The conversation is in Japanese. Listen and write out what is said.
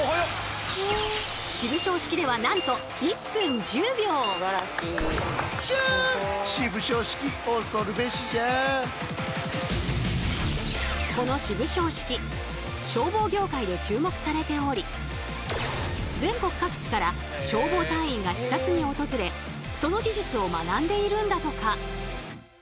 渋消式ではなんとこの渋消式消防業界で注目されており全国各地から消防隊員が視察に訪れその技術を学んでいるんだとか。